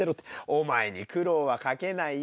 お前に苦労はかけないよ。